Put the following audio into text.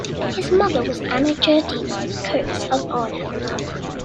His mother was Anna Gerdina Coers of Arnhem.